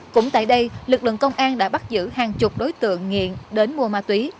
cũng tại đây lực lượng công an đã bắt giữ hàng chục đối tượng nghiện đến mua ma túy